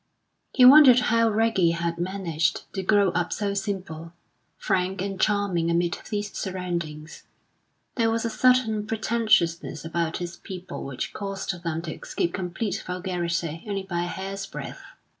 He wondered how Reggie had managed to grow up so simple, frank, and charming amid these surroundings. There was a certain pretentiousness about his people which caused them to escape complete vulgarity only by a hair's breadth.